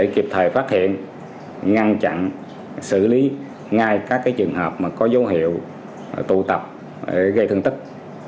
kịp thời ngăn chặn xử lý ngay các trường hợp có dấu hiệu tụ tập gây thương tích